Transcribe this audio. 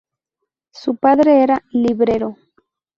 Su padre era librero.